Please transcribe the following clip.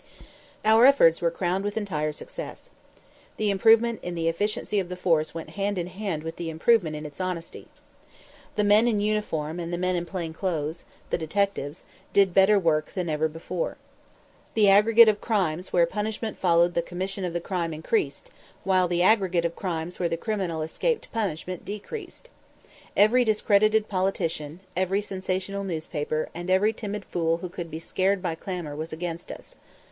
Our efforts were crowned with entire success. The improvement in the efficiency of the force went hand in hand with the improvement in its honesty. The men in uniform and the men in plain clothes the detectives did better work than ever before. The aggregate of crimes where punishment followed the commission of the crime increased, while the aggregate of crimes where the criminal escaped punishment decreased. Every discredited politician, every sensational newspaper, and every timid fool who could be scared by clamor was against us.